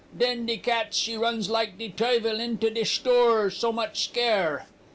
Den de cats she runs like de tuyvel into de shtore so much scare.